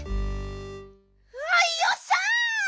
よっしゃ！